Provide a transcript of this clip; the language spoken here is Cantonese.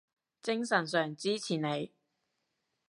精神上支持你